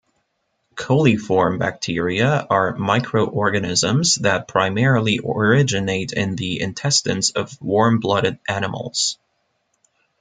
Coliform bacteria are microorganisms that primarily originate in the intestines of warm-blooded animals.